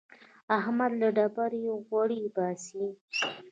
احمد له ډبرې غوړي باسي.